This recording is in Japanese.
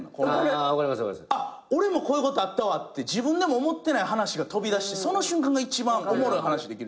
俺もこういうことあったわって自分でも思ってない話が飛び出してその瞬間が一番おもろい話できるっていうか。